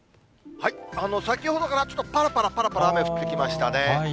先ほどからちょっとぱらぱらぱらぱら、雨降ってきましたね。